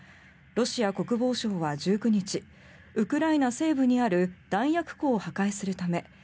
ロシア国防省は１９日ウクライナ西部にある弾薬庫を破壊するため